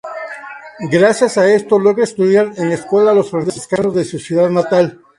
Gracias a esto logra estudiar en la escuela los Franciscanos de su ciudad natal.